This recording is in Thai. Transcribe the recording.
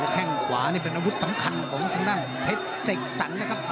แค่งขวานี่เป็นอาวุธสำคัญของทางด้านเพชรเสกสรรนะครับ